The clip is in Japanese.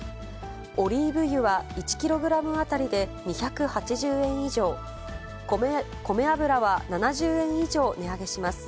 オリーブ油は１キログラム当たりで２８０円以上、こめ油は７０円以上値上げします。